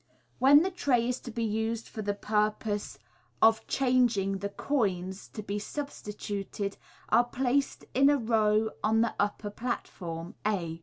Where the tray is to be used for the purpose of " chang 2T2 MODERN MAGIC. ing," the coins to be substituted are placed in a row on the upper platform, a.